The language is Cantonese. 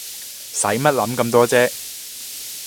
洗乜諗咁多啫